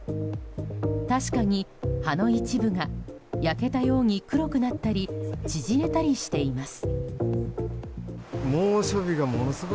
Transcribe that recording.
確かに葉の一部が焼けたように黒くなったり縮れたりしています。